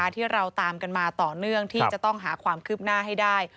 ที่เราตามกันมาต่อเนื่องที่จะต้องหาความคืบหน้าให้ได้